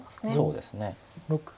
そうですね。